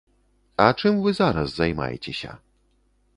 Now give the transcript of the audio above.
А чым вы зараз займаецеся?